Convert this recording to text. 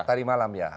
tadi malam ya